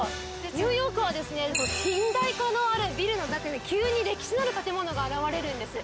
ニューヨークは近代化のあるビルの中に急に歴史のある建物が現れるんです。